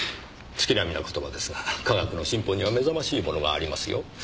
月並みな言葉ですが科学の進歩には目覚ましいものがありますよ。